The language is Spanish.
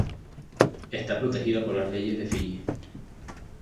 Está protegida por las leyes de Fiyi.